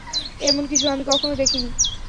এমন কিছু আমি কখনো দেখিনি।